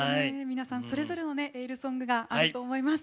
皆さんそれぞれのエールソングがあると思います。